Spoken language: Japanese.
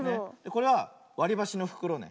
これはわりばしのふくろね。